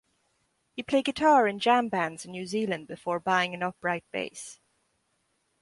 He played guitar in jam bands in New Zealand before buying an upright bass.